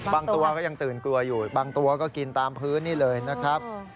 ตัวก็ยังตื่นกลัวอยู่บางตัวก็กินตามพื้นนี่เลยนะครับ